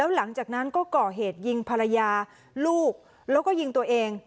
หลังจากนั้นก็ก่อเหตุยิงภรรยาลูกแล้วก็ยิงตัวเอง